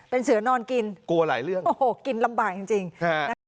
เป็นเสือนอนกินกลัวหลายเรื่องโอ้โหกินลำบากจริงจริงนะคะ